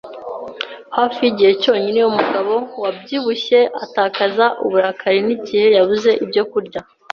Hafi yigihe cyonyine umugabo wabyibushye atakaza uburakari ni igihe yabuze ibyo kurya.